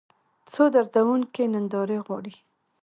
څو دردونکې نندارې غواړي